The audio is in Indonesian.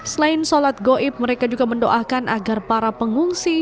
selain sholat goib mereka juga mendoakan agar para pengungsi